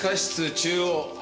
中央。